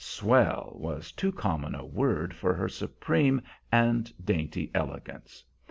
"Swell" was too common a word for her supreme and dainty elegance.